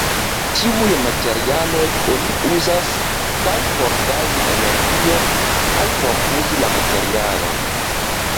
Tiuj materialoj oni uzas kaj por gajni energion kaj por uzi la materialon.